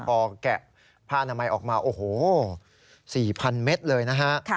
พอแกะผ้าอนามัยออกมาโอ้โห๔๐๐เมตรเลยนะฮะ